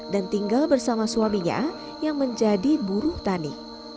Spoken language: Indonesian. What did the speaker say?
dan tinggal bersama suaminya yang menjadi buruh tani